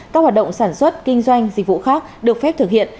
các hoạt động sản xuất kinh doanh dịch vụ khác được phép thực hiện